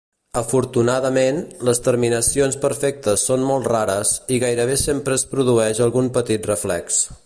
Afortunadament, les terminacions perfectes són molt rares i gairebé sempre es produeix algun petit reflex.